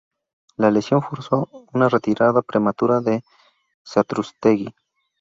La lesión forzó una retirada prematura de Satrústegui.